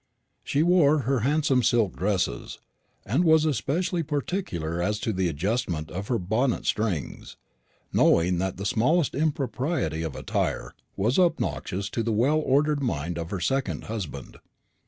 She wore her handsome silk dresses, and was especially particular as to the adjustment of her bonnet strings, knowing that the smallest impropriety of attire was obnoxious to the well ordered mind of her second husband.